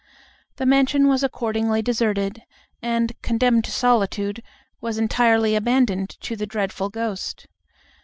The mansion was accordingly deserted, and, condemned to solitude, was entirely abandoned to the dreadful ghost.